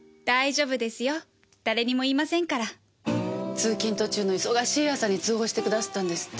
通勤途中の忙しい朝に通報してくだすったんですって？